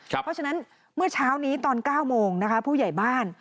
เพราะฉะนั้นเมื่อเช้านี้ตอน๙โมงนะคะผู้ใหญ่บ้าน